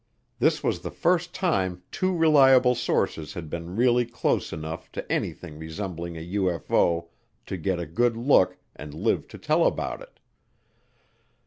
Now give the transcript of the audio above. This was the first time two reliable sources had been really close enough to anything resembling a UFO to get a good look and live to tell about it.